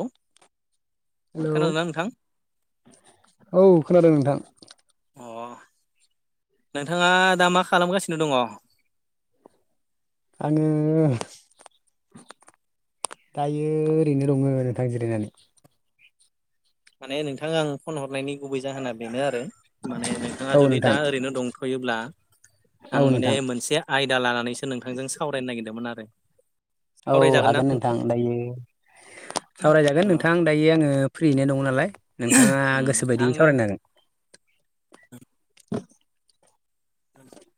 औ हेलौ खोनादोंना नोंथां औ खोनादों नोंथां अ नोंथाङा दा मा खालामगासिनो दङ आङो दायो ओरैनो दङ नोंथां जिरायनानै माने नोंथां आं फन हरनायनि गुबै जाहोना बेनो आरो माने नोंथाङा औ जुदि नोंथां दा ओरैनो दंथ'योब्ला औ आं माने नोंथां मोनसे आयदा लानानैसो नोंथांजों सावरायनो नागिरदोंमोन आरो औ सावरायजागोन ना हागोन नोंथां दायो सावरायजागोन नोंथां दायो आङो फ्रियैनो दङ नालाय नोंथाङा गोसो बायदियै आङो सावरायन हांगोन [inaudible]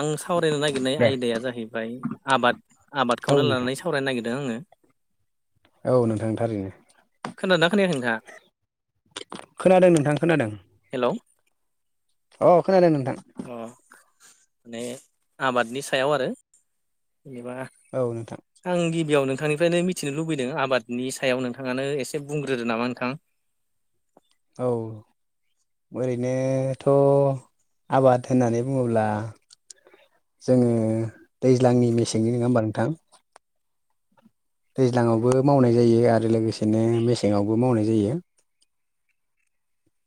आं सावरायनो हागोन नागिरनाय दे आयदाया जाहैबाय आबाद औ आबादखौनो नोंथां लानानै स सावरायनो नागिरदों आङो औ नोंथांथारैनो खोनादोना खोनायाखै नोंथाङा खोनादों नोंथां खोनादों हेलौ अ खोनादों नोंथां अ माने आबादनि सायाव आरो जेनेबा औ नोंथां आं गिबियाव नोंथांनिफ्रायनो मिथिनो लुबैदों आबादनि सायाव नोंथाङानो एसे बुंग्रो नामा नोंथां औ ओरैनोथ' आबाद होननानै बुङोब्ला जोङो औ दैज्लांनि मेसेंनि नोङा होमबा नोंथां दैज्लाङावबो मावनाय जायो आरो लोगोसेनो मेसेङावबो मावनाय जायो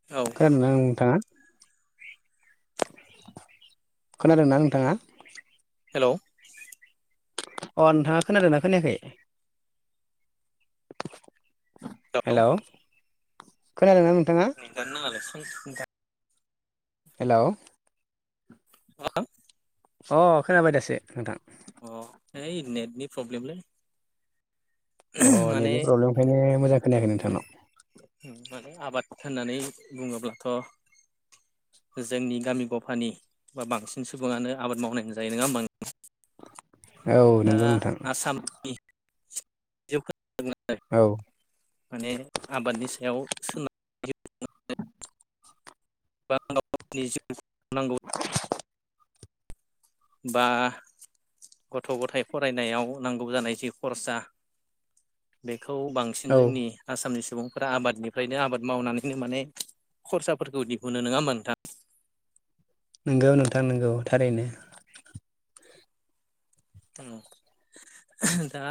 औ नोंथाङा खोनादों ना नोंथाङा हेलौ अ नोंथाङा खोनादों ना खोनायाखै हेलौ खोनादोंना नोंथाङा [unintelligible] हेलौ मोन अ खोनाबाय दासो नोंथां अ हैओइ नेटनि प्रब्लेमलै अ माने नेटनि प्रब्लेमनिखायनो मोजां खोनायाखै नोंथांनाव माने आबाद होननानै बुङोब्लाथ' जोंनि गामि गफानि बा बांसिन सुबुङानो आबाद माव जायो नङा होमबानो औ दा नंगौ नोंथां आसामनि औ माने आबादनि सायाव सोनार [unintelligible] जिउखौ नांगौ बा गथ' गथाय फरायनायाव नांगौ जानाय जि खरसा बेखौ बांसिन औ जोंनि आसामनि सुबुंफोरा आबादनिफ्रायनो आबाद मावनानैनो माने खरसाफोरखौ दिहुनो नङा होमा नोंथाङां नोंगौ नोंथां नोंगौ थारैनो उम दा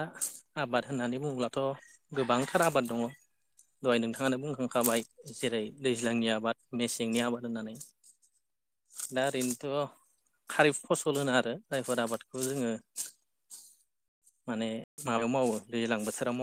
आबाद होननानै बुङोलाथ' गोबांथार आबाद दङ दहाय नोंथाङानो बुंखांखाबाय जेरै दैज्लांनि आबाद मेसेंनि आबाद होननानै दा ओरैनोथ' खारिब फसल होनो आरो जायफोर आबादखौ जोङो माने माबा मावो दैज्लां बोथोराव मावनाय